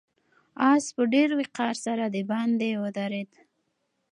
آس په ډېر وقار سره د باندې ودرېد.